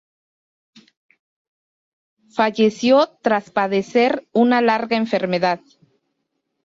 Falleció tras padecer una larga enfermedad.